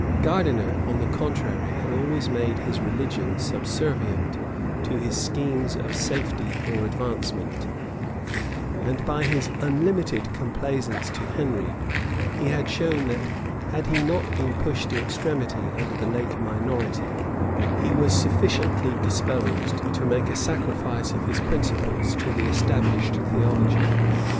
Gardiner, on the contrary, had always made his religion subservient to his schemes of safety or advancement; and by his unlimited complaisance to Henry, he had shown that, had he not been pushed to extremity under the late minority, he was sufficiently disposed to make a sacrifice of his principles to the established theology.